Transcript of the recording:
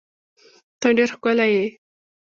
ته ډیر ښکلی یی